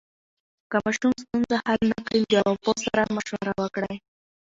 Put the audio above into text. که ماشوم ستونزه حل نه کړي، د ارواپوه سره مشوره وکړئ.